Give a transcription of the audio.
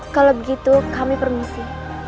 kalau begitu kami permisi